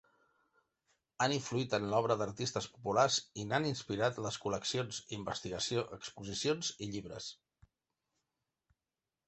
Han influït en l'obra d'artistes populars i n'han inspirat les col·leccions, investigació, exposicions i llibres.